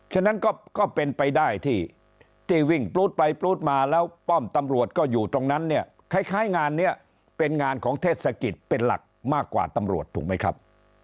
ฉะนั้นก็เป็นไปได้ที่วิ่งปลูดไปปลูดมาแล้วป้อมตำรวจก็อยู่ตรงนั้นเนี่ยคล้ายงานนี้เป็นงานของเทศกิจเป็นหลักมากกว่าตำรวจถูกไหมครับ